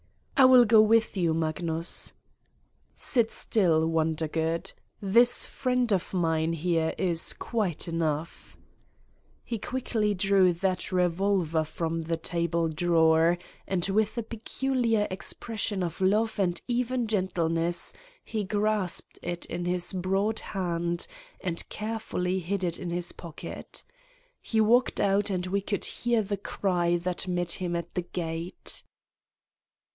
"I will go with you, Magnus." "Sit still, Wondergood. This friend of mine, here, is quite enough .." He quickly drew that revolver from the table drawer and with a peculiar expression of love and even gentleness he grasped it in his broad hand and carefully hid it in his pocket. He walked out and we could hear the cry that met him at the gate.